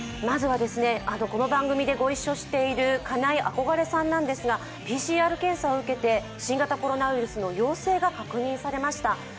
まずは、この番組で御一緒している金井憧れさんなんですがＰＣＲ検査を受けて、新型コロナウイルスの陽性が確認されました。